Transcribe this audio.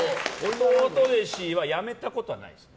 弟弟子はやめたことはないです。